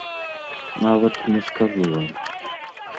Нават не скажу вам.